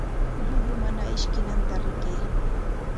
Llullu mana ishkinanta rikay.